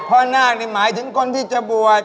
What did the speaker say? นาคนี่หมายถึงคนที่จะบวช